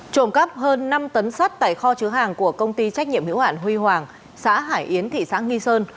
trộm cắp hơn năm tấn sắt tại kho chứa hàng của công ty trách nhiệm hiệu hạn huy hoàng xã hải yến thị xã nghi sơn